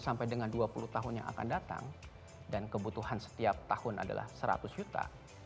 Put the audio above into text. sampai dengan dua puluh tahun yang akan datang dan kebutuhan setiap tahun adalah seratus juta